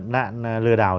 nạn lừa đảo